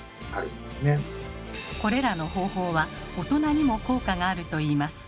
これらの方法は大人にも効果があるといいます。